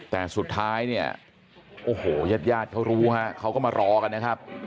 แต่สุดท้ายเนี่ยโอ้โหญาติญาติเขารู้ฮะเขาก็มารอกันนะครับ